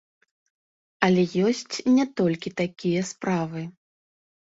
Але ёсць не толькі такія справы.